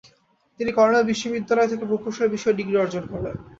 তিনি কর্নেল বিশ্ববিদ্যালয় থেকে প্রকৌশল বিষয়ে ডিগ্রি অর্জন করেন।